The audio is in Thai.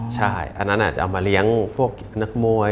ใช่อันนั้นอาจจะเอามาเลี้ยงพวกนักมวย